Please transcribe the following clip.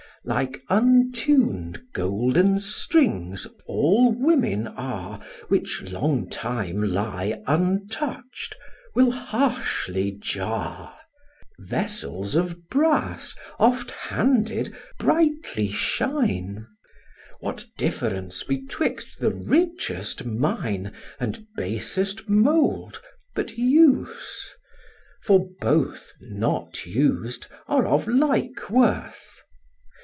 Like untun'd golden strings all women are, Which long time lie untouch'd, will harshly jar. Vessels of brass, oft handed, brightly shine: What difference betwixt the richest mine And basest mould, but use? for both, not us'd, Are of like worth.